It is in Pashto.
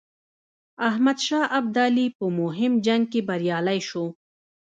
احمدشاه ابدالي په مهم جنګ کې بریالی شو.